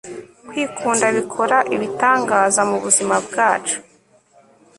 kwikunda bikora ibitangaza mubuzima bwacu